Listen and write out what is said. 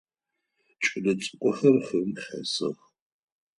Кӏэлэцӏыкӏухэр хым хэсых.